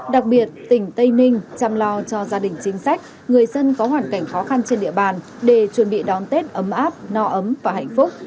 đặc biệt tỉnh tây ninh chăm lo cho gia đình chính sách người dân có hoàn cảnh khó khăn trên địa bàn để chuẩn bị đón tết ấm áp no ấm và hạnh phúc